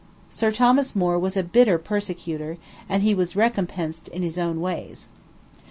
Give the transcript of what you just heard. Sir Thomas More was a bitter persecutor, and he was "recompensed in his own ways."